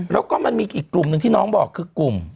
แล้วก็มันมีอีกกลุ่มหนึ่งที่น้องบอกคือกลุ่ม